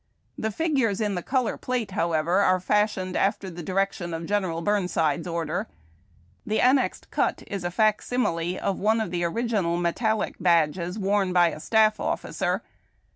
The figures in the color plate, however, are fashioned after the direction of General Burnside's order. The annexed cut is a fac simile of one of the original metallic badges worn by a staff officer.